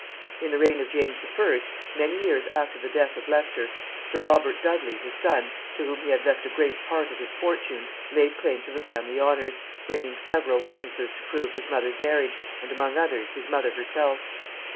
In the reign of James I., many years after the death of Leicester, sir Robert Dudley his son, to whom he had left a great part of his fortune, laid claim to the family honors, bringing several witnesses to prove his mother's marriage, and among others his mother herself.